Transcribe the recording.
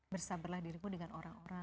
bersabarlah dirimu dengan orang orang